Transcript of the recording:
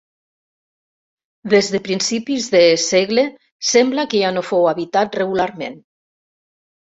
Des de principis de segle sembla que ja no fou habitat regularment.